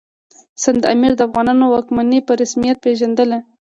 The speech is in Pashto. سند امیر د افغانانو واکمني په رسمیت پېژندل.